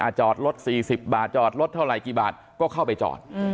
จอดรถ๔๐บาทจอดรถเท่าไหร่กี่บาทก็เข้าไปจอด